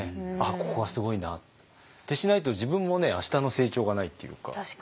「ここはすごいな」ってしないと自分もねあしたの成長がないっていうか。